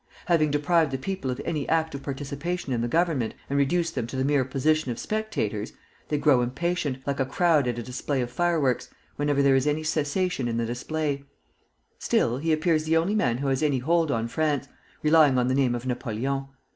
Having deprived the people of any active participation in the government, and reduced them to the mere position of spectators, they grow impatient, like a crowd at a display of fireworks, whenever there is any cessation in the display. Still, he appears the only man who has any hold on France, relying on the name of Napoleon.